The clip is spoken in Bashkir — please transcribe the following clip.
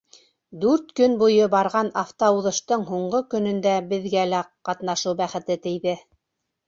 Дүрт көн буйы барған автоуҙыштың һуңғы көнөндә беҙгә лә ҡатнашыу бәхете тейҙе.